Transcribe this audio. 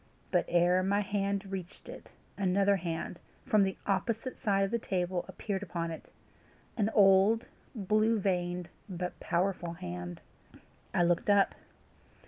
But ere my hand reached it, another hand, from the opposite side of the table, appeared upon it an old, blue veined, but powerful hand. I looked up.